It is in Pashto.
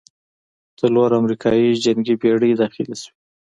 څلور امریکايي جنګي بېړۍ داخلې شوې.